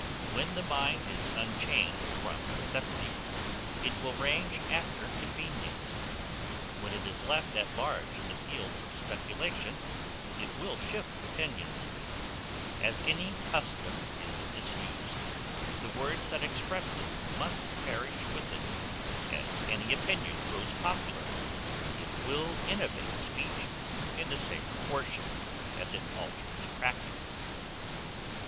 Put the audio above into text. When the mind is unchained from necessity, it will range after convenience; when it is left at large in the fields of speculation, it will shift opinions; as any custom is disused, the words that expressed it must perish with it; as any opinion grows popular, it will innovate speech in the same proportion as it alters practice.